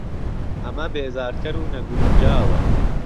ئەمە بێزارکەر و نەگوونجاوە